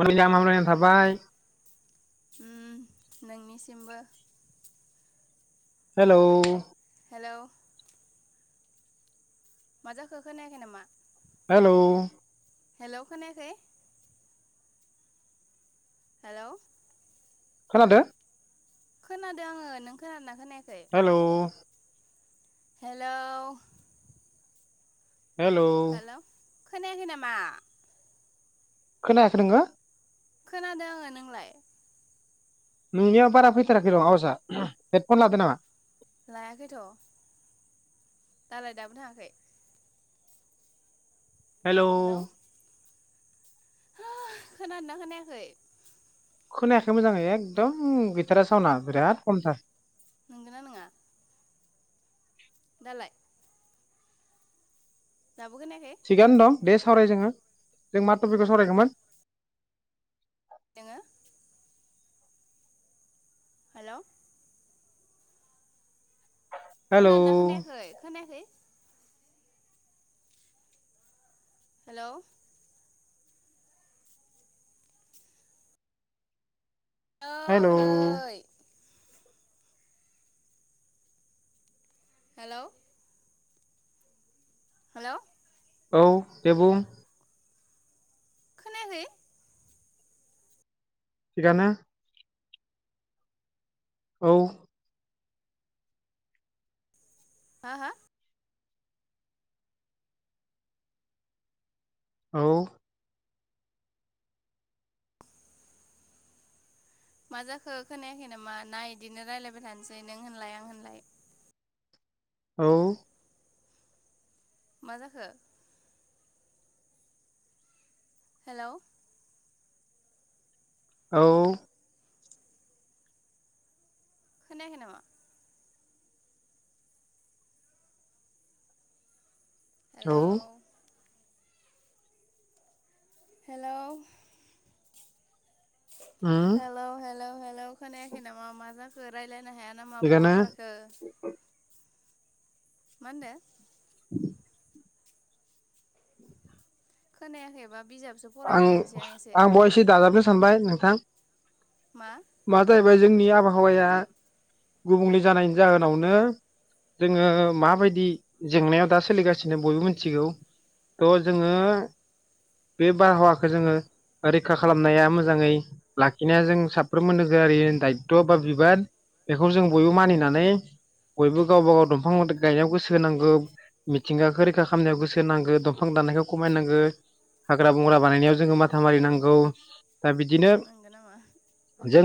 मोजां हामलायनाय थाबाय उम नोंनिसिमबो हेलौ हेलौ मा जाखो खोनायाखै नामा हेलौ हेलौ खोनायाखै हेलौ खोनादों खोनादों आङो नों खोनाना हेलौ हेलौ हेलौ हेलौ खोनायाखै नामा खोनायाखै नोङो खोनादों आङो नोंलाय नोंनियाव बारा फैथाराखै र' आवाहा हेदफन लादो नामा लायाखै र' दालाय दाबो थाङाखै हेलौ खोनादोंना खोनायाखै खोनायाखै मोजां एकदम गैथारा सावना बिराद खमथार नोंगौना नङा दालाय दाबो खोनायाखै थिगानो दं दे सावरायायो जोङो जों मा टपिकखौ सावरायगौमोन जोङो हेलौ हेलौ खोनादोना खोनायाखै खोनायाखै हेल हेलौ [unintelligible] हेल' हेल' औ दे बुं। खोनायाखै? थिगानो औ हा हा औ मा जाखो खोनायाखै नामा ना इदिनो रायलायबाय थानोसै नों होनलाय आं होनलाय। औ मा जाखो? हेल' औ खोनायाखै नामा? औ हेल' हेल' उम हेल' हेल' हे ल' खोनायाखै नामा मा जाखो रायलाय नो हाया नामा बहा थिगानो खारखो? मा होनदो? [inaudible] खोनायाखैबा बिजाबसो फरायना आं होनसै एसे आंबे एसे दाजाबनो सानबाय नोंथां। मा? मा जाहैबाय जोंनि आबहावाया गुबुंले जानायनि जाहोनावनो जोङो माबायदि जेंनायाव दा सोलिगासिनो बयबो मिथिगौ थ' जोङो बे बारहावाखौ जोङो रैखा खालामनाया मोजाङै लाखिनाया जों सा फ्रोमबो नोगोरारिनि दायथ' बा बिबान बेखौ जों बयबो मानिनानै बयबो गावबा गाव दंफां गायनायाव गोसो होनांगौ मिथिंगाखौ रैखा खालामनायाव गोसो होनांगौ दंफां दाननायखौ खमायनांगौ हाग्रा बंग्रा बानायनायाव जोङो माथा मारिनांगौ दा बि इदिनो, नंगौ नामा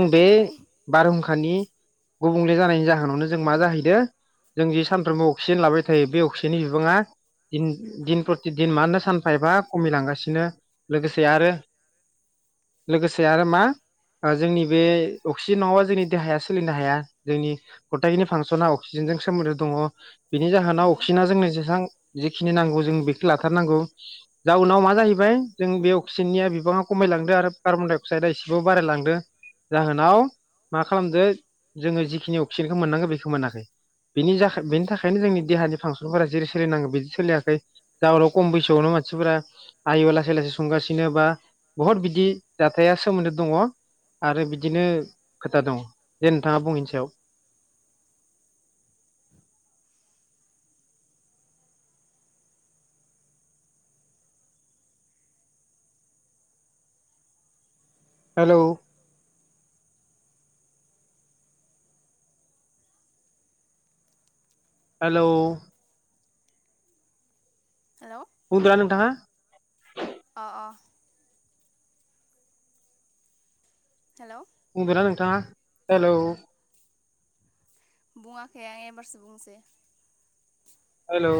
दा बे खोनाबाय बारहुंखानि गुबुंले जानायनि जाहोनावनो जों मा जाहैदो जों जि सानफ्रोमबो अक्सिजेन लाबाय थायो बे अक्सिजेननि बिबाङा दिन दिन प्रति दिन मानो सानफा एफा खमिलांगासिनो लोगोसे आरो लोगोसे आरो मा जोंनि बे अक्सिजेन नङाबा जोंनि देहाया सोलिनो हाया जोंनि गुटाइखिनि फांसना अक्सिजेनजों सोमोन्दो दङ बिनि जाहोनाव उम अक्सिजेना जोंनो जेसबां जिखिनि नांगौ जों बेखौ लाथारनांगौ जाउनाव मा जाहैबाय जों बे अक्सिजेननिया बिबाङा खमायलांदों आरो कार्बन डाइ अक्साइदआ एसेबाबो बाराय लां जाहोनाव मा खालामदो जोङो जिखिनि अक्सिजेनखौ मोननांगौ बेखौ मोनाखै। बेनि जाखाय उम बेनि थाखायनो जोंनि देहानि फांसनफोरा जेरै सोलिनांगौ बिदि सोलियाखै जाउनाव खम बैसोआवनो मानसिफोरा आयु लासै लासै संगासिनो बा बुहुद बिदि जाथाया सोमोन्दो दङ आरो बिदिनो खोथा दङ जे नोंथाङा बुं इनि सायाव। हेलौ, हेलौ, हेलौ, बुंदोना नोंथाङा? अ अ हेलौ, बुंदोंना नोंथाङा हेलौ, बुङाखै आं एबारसो बुंनिसै, हेलौ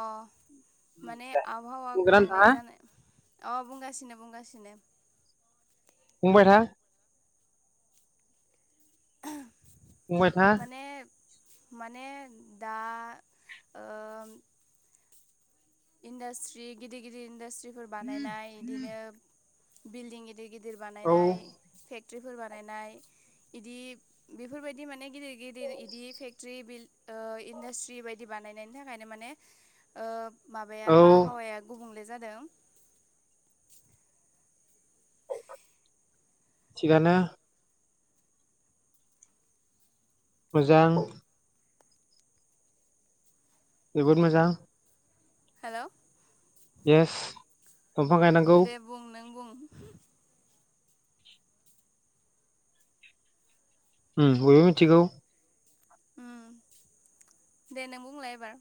अ माने आबहावा बुंदोना गुबुंले नोंथाङा जानो, अ बुंगासिनो-बुंगासिनो, बुंबाय था बुंबाय था माने माने दा ओ इन्डासट्रि गिदिर-गिदिर इन्डासट्रि फोर बानायनाय इदिनो बिल्डिं इद गिदिर-गिदिर औ बानायनाय फेक, फोर बानायनाय इदि बेफोरबायदि माने गिदिर-गिदिर इदि फेक्ट्रि बिल ओ इन्डास्ट्रि बायदि बानायनायनि थाखायनो माने ओ माबाया औ बारहावाया गुबुंले जादों। [inaudible] थिगानो, मोजां। जोबोद मोजां, हेलौ येस दंफां गायनांगौ दे बुं नों बुं। [unintelligible] उ बयबो मिथिगौ उ दे नों बुंलाय एबार।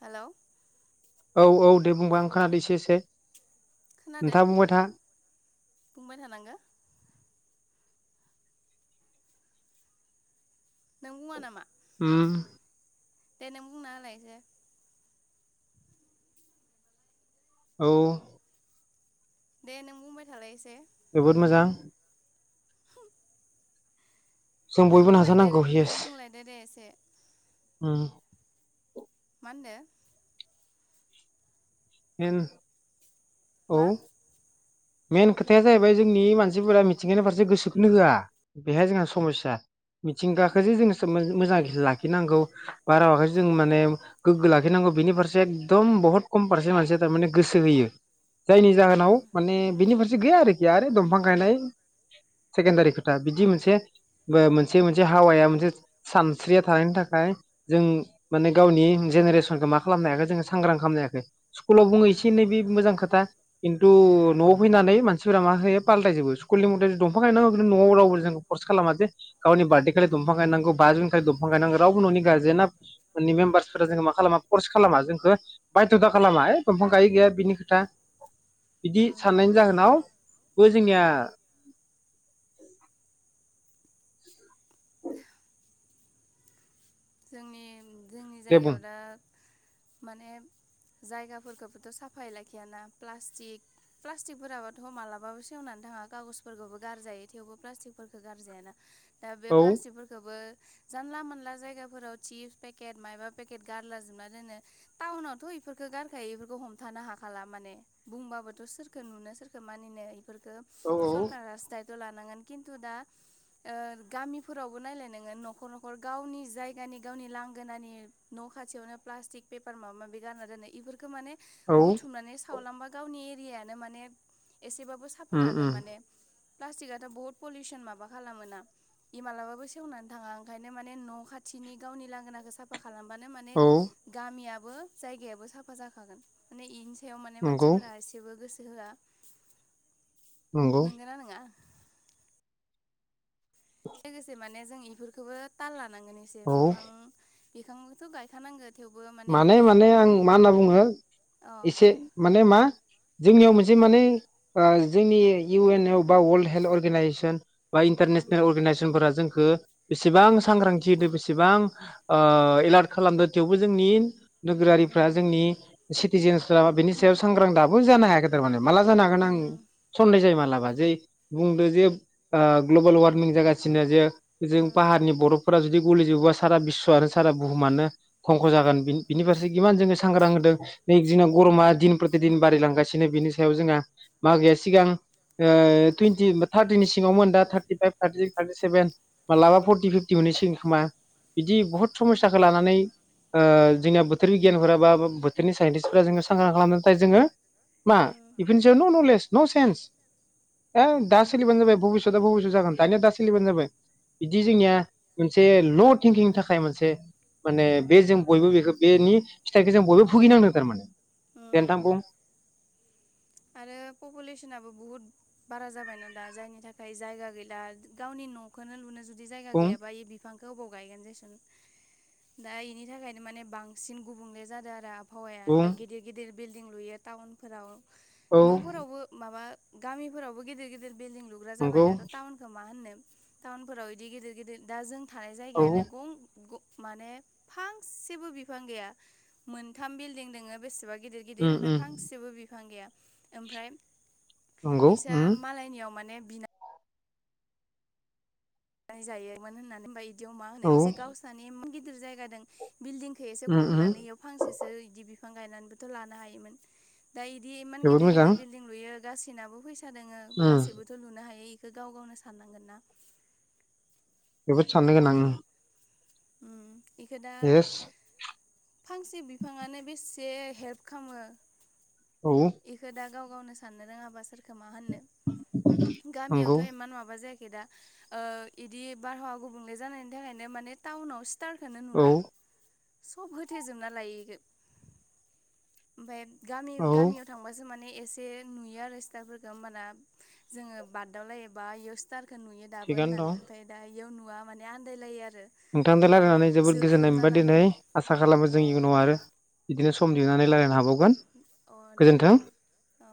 हेल' औ-औ दे बुंबा ओं खोनादै एसे-एसे खोनादो नोंथाङा बुंबाय था बुंबाय थानांगो नों बुंआ नामा हुम दे नों बुंनाहोलाय एसे औ दे नों बुंबाय थालाय एसे जोबोद मोजां। [unintelligible] जों नों बयबो बुंलायदो नाजानांगौ दे नों येस बुंलायदो दे एसे उम [unintelligible] [unintelligible] औ मा मेन खोथाया जाहैबाय जोंनि मानसिफोरा मिथिंगानि फारसे गोसोखोनो होआ बेहाय जोंहा समस्या मिथिंगाखौ जे जोङो सोम-मोजां लाखिनांगौ बारहावाखौ जों माने गोग्गो लाखिनांगौ बेनि फारसे एकदम बहुत खम पारसेन्ट मानसिया थारमाने गोसो होयो जायनि उम जाहोनाव माने बिनि फारसे गैया आरोखि आरो दंफां गायनाय सेकेणडारि खोथा बिदि मोनसे मोनसे मोनसे हावाया मोनसे सानस्रिया थानायनि थाखाय जों माने गावनि जेनेरेसनखौ मा खालामनो हायाखै जों सांग्रां खालामनो हायाखै स्कुलाव बुङो एसे उम एनै बे मोजां खोथा खिन्थु न' फैनानै मानसिफोरा मा होयो पालटायजोबो स्कुलनि मथै जे दंफां गायनांगौ उम साननायनि जाहोनाव बो जोंनिया जोंनि जोंनि दे बुं जायगायाव दा माने जायगाफोरखौबोथ' साफायै लाखियाना प्लास्टिक प्लास्टिकफोराबोथ' मालाबाबो सेवनानै थाङा कागजफोरखौबो गारजायो थेवबो प्लास्टिकफोरखौ गारजायाना दा बे औ प्लास्टिकफोरखौबो जानला मानला जायगा फोराव चिप्स पेकेट मायाबा पेकेट गारलाजोबना दोनो टाउनावथ' इफोरखौ गारखायो इफोरखौ हमथानो हाखाला माने बुंबाबोथ' सोरखौ नुनो सोरखौ मानिनो इफोरखो औ सरकारासो दाइ थ लानांगोन किन्थु दा ओ गामिफोरावबो नायलाय नोङो न'खर न'खर गावनि जाय गानि गावनि लांगोनानि न' खाथियावनो प्लास्टिक पेपार माबा माबि गारना दोननाय इफोरखौ माने बुथुमनानै सावलांबा गावनि यानो माने एसेबाबो साफा उम थागोन उम माने प्लास्टिकआथ' बुहुत पलिउसन माबा खालामोना इ मालाबाबो सेवनानै थाङा ओंखायनो माने न' खा थिनि गावनि लांगोनाखौ साफा खा खालामबानो माने औ गामिया बो जायगायाबो साफा जाखागोन माने इनि सायाव माने नंगौ मानसिफोरा एसेबो गोसो होया। नंगौ नोंगोना नोङा? लोगोसे माने जोंनि। इफोरखौबो ताल ला नांगोन एसे औ बिफां बिखांबोथ' गायखानांगोन। माने माने आं मा होनना बुङो अ एसे माने मा जोंनियाव ओं मोनसे माने उम उम [unintelligible] जोंनि नोगोरारिफ्रा उम जोंनि सिटिजेेनसफ्रा बेनि सायाव सांग्रां दाबो जानो हायाखै थारमाने माला जानो हागोन आं सनदेह जायो मालाबा जे बुंदो जे ओ ग्लबोल वारमिं जागासिनो जे। उम जों पाहारनि बरब फोरा जुदि गलिजोबोबा सारा बिस्सव आरो सारा बुहुमानो खंख' जागोन बिन-बिनि फारसे गिमान जोङो सांग्रां होदों। नै दिना गरमा दिन प्रतिदिन। बारायलांगासिनो बिनि सायाव जोंहा मा गैया सिगां ओ टुइनटि थार्टिनि सिङावमोन दा थारटि फाइभ थार्टि सिस थारटि सेभेन मालाबा फरटि फिफटि मोनैसिगोन खोमा बिदि बुहुत समस्साखौ लानानै ओयो जोंनिया बोथोरनि गियानफोरा बा ब-बोथोरनि साइन्टिस्टफोरा जोङो सांग्रां खालामनो थाखाय जोङो मा उम बेफोरनि सायाव न' न'लेज। न सेन्स ओयो दा सोलिबानो जाबाय भबिसता भबिसत जागोन दानिया दा सोलिबानो जाबाय बिदि जोंनिया मोनसे ल' थिंकिंनि थाखाय मोनसे माने बे जों बयबो बेखौ बेनि फिथाइखौ जों बयबो भुगिनांदों थारमाने। दे नोंथां उम बुं। आरो पपुलेसनाबो बुहुत बारा जाबायना दा जायनि थाखाय जायगा गैला गावनि न'खौनो लुनो जु दि जायगा उम गैयाबा इयो बिफांखौ बबाव गायगोन दिसुन। दा इनि थाखायनो माने बांसिन गुबुंले जादों आरो आब फावयाया उम दा गिदिर गिदिर बिल्डिं लुयो टाउनफोराव। औ न'फोरावबो माबा गामिफोरावबो गिदिर गिदिर बिल्दिं लुग्रा जाबाय नंगौ दाथ' टाउनखौ मा होननो। टाउनफोराव इदि गिदिर गिदिर दा जों थानाय औ जायगायानो गं गं माने फांसेबो बिफां गैया मोनथाम बिल्डिं दङो बेसेबां गिदिर गिदिर उम ओमफाय उम फांसेबो बि फां गैया ओमफ्राय नंगौ इसा उम मालायनियाव माने बिना नै जायो मोन होननानै होनबाय दियाव मा होनो औ एसे गावसानि [unintelligible] गिदिर जायगा दं बिल्डिंखौ एसे उम उम खमनानै इयाव फांसेसो इदि बि फां गायनानैबोथ' लानो हायोमोन। दा इदि इमान जोबोद गिदिर मोजां गिदिर बिल्डिं लुयो गासिनाबो फैसा दङो उम गासैबोथ' लुनो हायो बेखौ गाव गावनो साननांगोन ना जोबोद साननो गोनां ओम उम इखौ दा फांसे बिफाङानो बेसे हेल्प खालामो औ गाव गावनो साननो रोङाबा सोर खौ मा होननो गामियावथ' नंगौ इमान माबा जाया खै दा ओ इदि बारहावा गुबुंले जानायनि थाखायनो माने ताउनावस तालखौनो औ नुला सब होथेजोबना लायो इखो ओमफाय गामि औ गामियाव थांबासो माने एसे नुयो आरो स्टारफोरखौ होमबाना जोङो बागदावलायो बा इयाव स्टार खौ नुयो दाबो थिगानो होननानै दं ओमफ्राय दा बेयाव नुवा माने आन्दायलायो आरो। नोंथांजों माबा रायलायनानै जोबोद गोजोननाय जोख्लोबना मोनबाय लानो दिनै आसा खालामो अ जों इउनाव आरो इदिनो सम दिहुननानै रायलायनो हा अ दे होमबा औ।